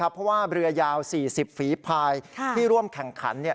เพราะว่าเรือยาว๔๐ฝีภายที่ร่วมแข่งขัน